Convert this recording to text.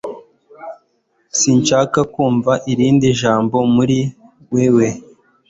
Sinshaka kumva irindi jambo muri wewe.